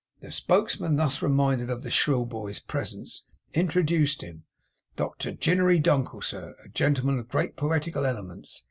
The spokesman thus reminded of the shrill boy's presence, introduced him. 'Doctor Ginery Dunkle, sir. A gentleman of great poetical elements.